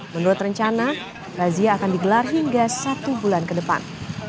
menurut rencana razia akan digelar hingga satu bulan ke depan